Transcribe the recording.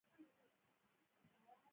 تکاملي لید د هر څه د تکثیر معیار ته ګوري.